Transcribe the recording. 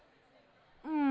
うん。